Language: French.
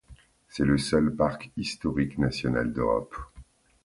C'est le seul parc historique national d'Europe.